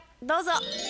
どうぞ。